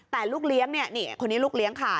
แต่ลูกเลี้ยงเนี่ยนี่คนนี้ลูกเลี้ยงค่ะ